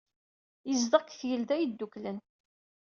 Yezdeɣ deg Tgelda Yedduklen.